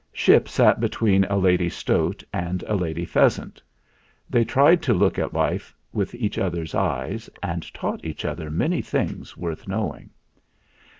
Ship sat between a lady stoat and a lady pheas ant. They tried to look at life with each other's eyes, and taught each other many things worth knowing.